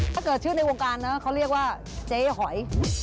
ถ้าเกิดชื่อในวงการนะเขาเรียกว่าเจ๊หอย